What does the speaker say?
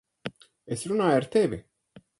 Es runāju ar tevi!